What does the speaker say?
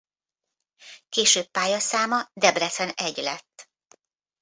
Később pályaszáma Debrecen I lett.